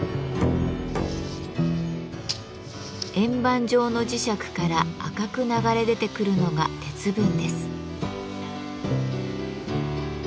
円盤状の磁石から赤く流れ出てくるのが鉄分です。